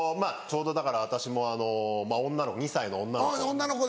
ちょうどだから私も２歳の女の子。